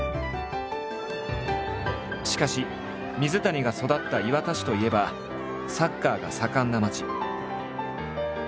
しかし水谷が育った磐田市といえばサッカーが盛んな街。